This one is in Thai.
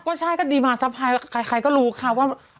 ก็ใช่ก็ดีมาซัพพายใครก็รู้ค่ะว่า